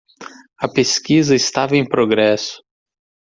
A pesquisa estava em progresso.